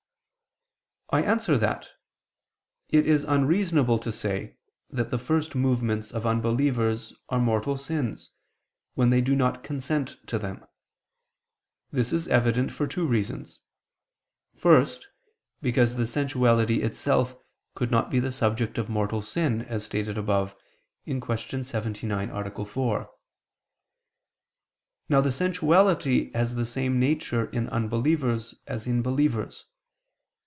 I answer that, It is unreasonable to say that the first movements of unbelievers are mortal sins, when they do not consent to them. This is evident for two reasons. First, because the sensuality itself could not be the subject of mortal sin, as stated above (Q. 79, A. 4). Now the sensuality has the same nature in unbelievers as in believers.